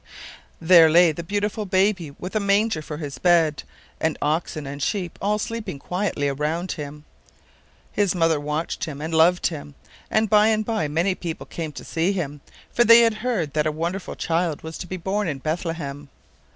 There lay the beautiful baby, with a manger for His bed, and oxen and sheep all sleeping quietly round Him. His mother watched Him and loved Him, and by and by many people came to see Him, for they had heard that a wonderful child was to be born in Bethlehem.